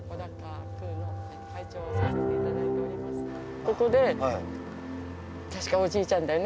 ここで確かおじいちゃんだよね？